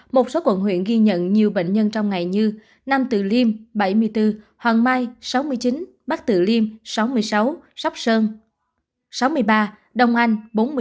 một số quận huyện ghi nhận nhiều bệnh nhân trong ngày như nam tự liêm bảy mươi bốn hoàng mai sáu mươi chín bắc tự liêm sáu mươi sáu sóc sơn sáu mươi ba đông anh bốn mươi một